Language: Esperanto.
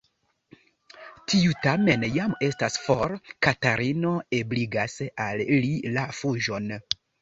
Tiu tamen jam estas for: Katarino ebligis al li la fuĝon.